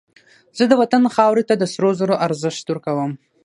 زه د وطن خاورې ته د سرو زرو ارزښت ورکوم